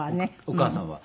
お母さんは。